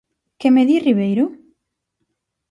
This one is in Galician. ¿Que me di, Ribeiro?